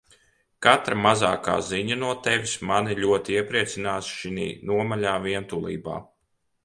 Katra mazākā ziņa no Tevis mani ļoti iepriecinās šinī nomaļā vientulībā.